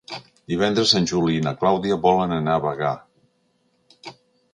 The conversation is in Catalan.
Divendres en Juli i na Clàudia volen anar a Bagà.